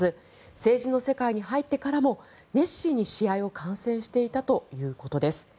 政治の世界に入ってからも熱心に試合を観戦していたということです。